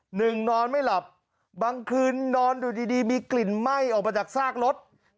นอนไม่หลับบางคืนนอนอยู่ดีมีกลิ่นไหม้ออกมาจากซากรถ